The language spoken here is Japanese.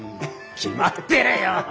決まってるよ。